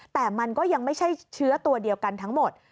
แต่มันก็ยังไม่ใช่เชื้อตัวเดียวกันทั้งหมด